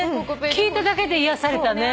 聞いただけで癒やされたね。